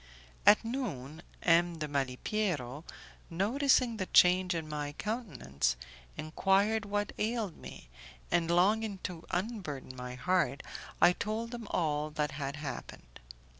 At noon, M. de Malipiero, noticing the change in my countenance, enquired what ailed me, and longing to unburden my heart, I told him all that had happened.